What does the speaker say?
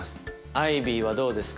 アイビーはどうですか？